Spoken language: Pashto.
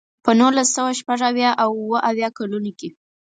په نولس سوه شپږ اویا او اوه اویا کلونو کې.